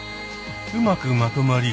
うまくまとまり